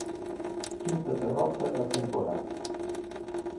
Quinta derrota da temporada.